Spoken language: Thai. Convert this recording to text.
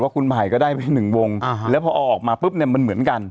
คุณไผ่ก็ได้ไปหนึ่งวงแล้วพอเอาออกมาปุ๊บเนี่ยมันเหมือนกัน